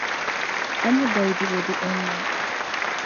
A mo day de ɓɔ de el lay.